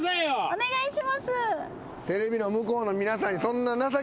お願いします。